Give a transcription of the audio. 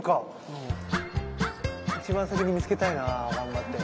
一番先に見つけたいな頑張って。